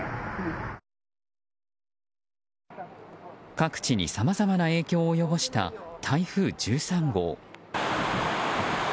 各地にさまざまな影響を及ぼした台風１３号。